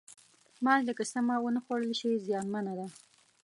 مالګه که سمه ونه خوړل شي، زیانمنه ده.